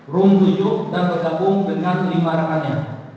rum tujuh dan bergabung dengan lima rekan nya